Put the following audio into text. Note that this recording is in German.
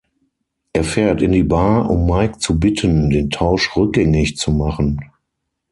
Er fährt in die Bar, um Mike zu bitten, den Tausch rückgängig zu machen.